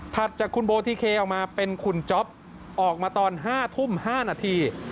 จากคุณโบทิเคออกมาเป็นคุณจ๊อปออกมาตอน๕ทุ่ม๕นาที